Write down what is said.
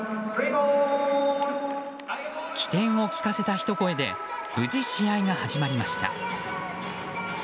機転を利かせたひと声で無事、試合が始まりました。